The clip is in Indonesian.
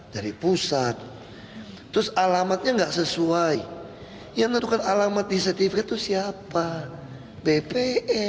dari pusat terus alamatnya nggak sesuai yang menetapkan alamat di setiap itu siapa bpm